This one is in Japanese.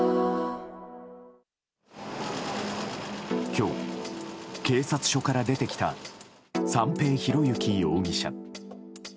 今日、警察署から出てきた三瓶博幸容疑者。